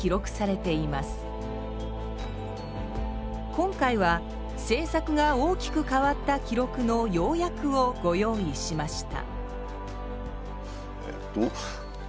今回は政策が大きく変わった記録の要約をご用意しました。